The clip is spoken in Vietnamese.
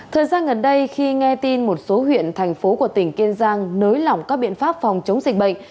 thời gian gần đây khi nghe tin một số huyện thành phố của tỉnh kiên giang nới lỏng các biện pháp phòng chống dịch bệnh